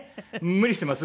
無理してます。